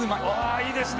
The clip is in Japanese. いいですね。